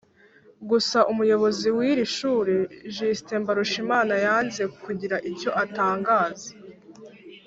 Gusa umuyobozi w’iri shuri Justin Mbarushimana yanze kugira icyo atangaza